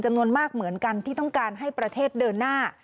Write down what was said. เหมือนกันที่ต้องการให้ประเทศเดินหน้า